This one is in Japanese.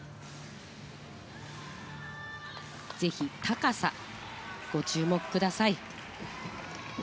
ぜひ、高さにご注目ください。